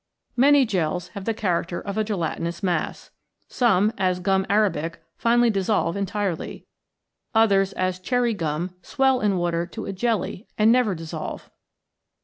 Many gels have the character of a gelatinous mass. Some, as gum arabic, finally dissolve entirely. Others, as cherry gum, swell in water to a jelly and never dissolve.